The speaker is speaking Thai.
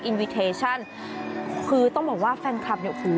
อินวิเวทเทชั่นคือต้องบอกว่าแฟนคลับเนี้ยโห